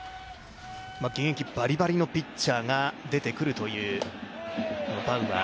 現役バリバリのピッチャーが出てくるという、バウアー。